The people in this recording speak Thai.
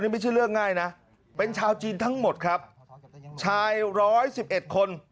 ไม่ใช่เรื่องง่ายนะเป็นชาวจีนทั้งหมดครับชายร้อยสิบเอ็ดคน